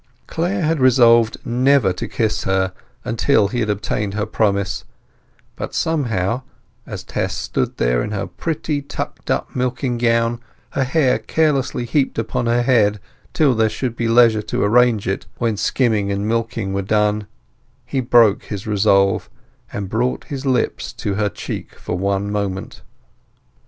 Clare had resolved never to kiss her until he had obtained her promise; but somehow, as Tess stood there in her prettily tucked up milking gown, her hair carelessly heaped upon her head till there should be leisure to arrange it when skimming and milking were done, he broke his resolve, and brought his lips to her cheek for one moment.